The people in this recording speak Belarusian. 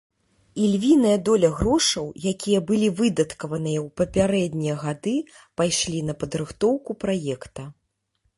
Ільвіная доля грошаў, якія былі выдаткаваныя ў папярэднія гады пайшлі на падрыхтоўку праекта.